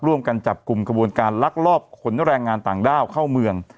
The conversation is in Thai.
ร่วมกันจับกลุ่มขบวนการลักลอบขนแรงงานต่างด้าวเข้าเมือง